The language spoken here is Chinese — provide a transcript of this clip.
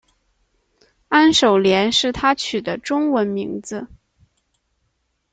安守廉是他取的中文名字。